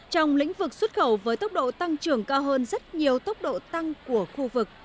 trong lĩnh vực xuất khẩu với tốc độ tăng trưởng cao hơn rất nhiều tốc độ tăng của khu vực